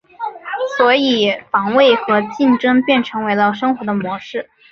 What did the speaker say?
所以防卫和竞争便成为了生活的模式。